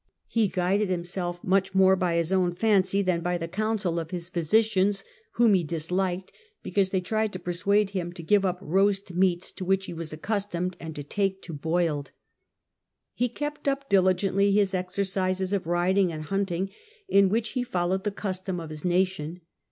He guided himself much more by his own fancy than by the m ;:: las 182 THE DAWN OF MEDIAEVAL EUROPE counsel of his physicians, whom he disliked because they tried to persuade him to give up roast meats, to which he was accustomed, and to take to boiled. He kept up diligently his exercises of riding and hunting, in which he followed the custom of his nation.